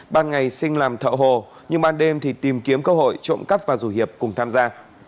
ban ngày sinh làm thợ hồ nhưng ban đêm thì tìm kiếm cơ hội trộm cắp và rủ hiệp cùng tham gia